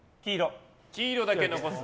黄色だけ残す。